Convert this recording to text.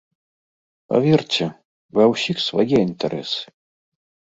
Паверце, ва ўсіх свае інтарэсы.